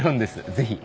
ぜひ。